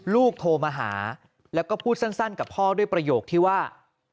โทรมาหาแล้วก็พูดสั้นกับพ่อด้วยประโยคที่ว่า